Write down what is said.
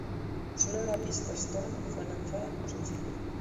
Sólo la pista "Storm" fue lanzada como sencillo.